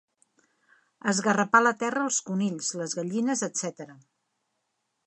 Esgarrapar la terra els conills, les gallines, etc.